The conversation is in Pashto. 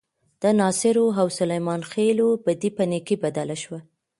د ناصرو او سلیمان خېلو بدۍ په نیکۍ بدله شوه.